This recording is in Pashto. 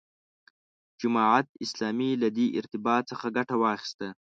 جماعت اسلامي له دې ارتباط څخه ګټه واخیسته.